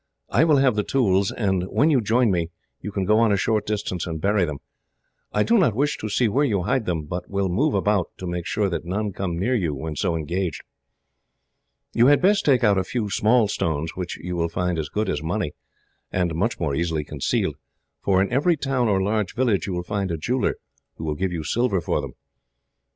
I will have the tools, and when you join me, you can go on a short distance and bury them. I do not wish to see where you hide them, but will move about, to make sure that none come near you when so engaged. "You had best take out a few small stones, which you will find as good as money, and much more easily concealed, for in every town or large village you will find a jeweller, who will give you silver for them."